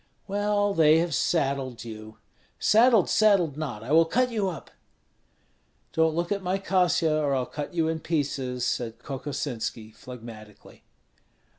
"Well, they have saddled you!" "Saddled, saddled not, I will cut you up!" "Don't look at my Kasia or I'll cut you to pieces," said Kokosinski, phlegmatically.